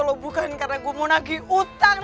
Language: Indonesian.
lo bukan karena gue mau nagih utang